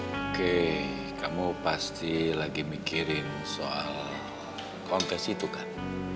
oke kamu pasti lagi mikirin soal kontes itu kan